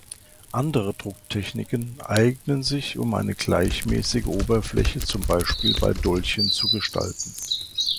Andere Drucktechniken eignen sich, um eine gleichmäßige Oberfläche zum Beispiel bei Dolchen zu gestalten.